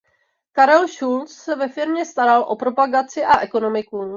Karel Šulc se ve firmě staral o propagaci a ekonomiku.